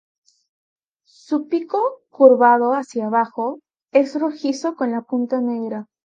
Su pico curvado hacia abajo es rojizo con la punta negra.